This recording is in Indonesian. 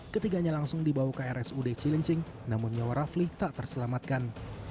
ketiganya langsung dibawa ke rsud cilincing namun nyawa rafli tak terselamatkan